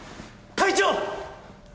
会長！